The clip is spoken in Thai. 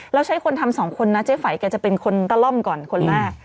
แล้วใช้คนทำสองคนน่ะเจ๊ไฝ่จะเป็นคนตะล่อมก่อนคนหน้า